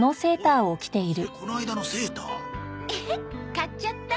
買っちゃった。